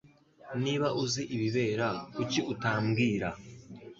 Niba uzi ibibera, kuki utambwira?